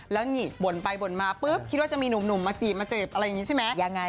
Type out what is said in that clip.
แล้วนี่บ่นไปบ่นมาปุ๊บคิดว่าจะมีหนุ่มมาจีบมาจีบอะไรอย่างนี้ใช่ไหม